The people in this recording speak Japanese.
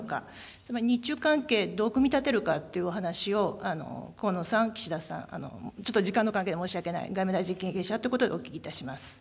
つまり日中関係、どう組み立てるかというお話を河野さん、岸田さん、ちょっと時間の関係で申し訳ない、外務大臣経験者ということ